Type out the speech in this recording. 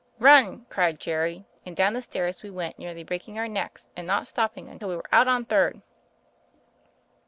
'Run,' cried Jerry, and down the stairs we went nearly breaking our necks, and not stopping until we were out on Third."